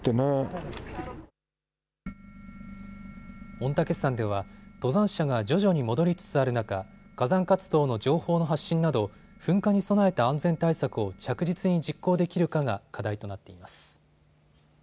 御嶽山では登山者が徐々に戻りつつある中、火山活動の情報の発信など噴火に備えた安全対策を着実に実行できるかが課題となっています。